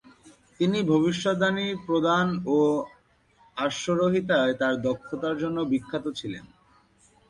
তিনি ভবিষ্যদ্বাণী প্রদান ও অশ্বারোহীতায় তার দক্ষতার জন্য বিখ্যাত ছিলেন।